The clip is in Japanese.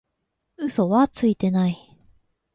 嘘はついてない